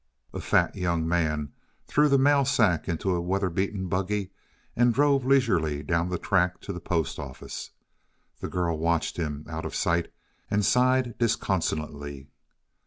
A fat young man threw the mail sack into a weather beaten buggy and drove leisurely down the track to the post office. The girl watched him out of sight and sighed disconsolately.